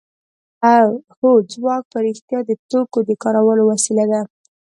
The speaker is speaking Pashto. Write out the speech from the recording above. هو ځواک په رښتیا د توکو د کار وسیله ده